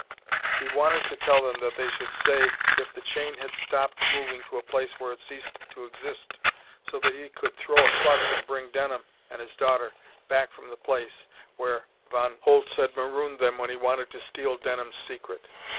He wanted to tell them that they should say if the chain had stopped moving to a place where it ceased to exist, so that he could throw a clutch and bring Denham and his daughter back from the place where Von Holtz had marooned them when he wanted to steal Denham's secret.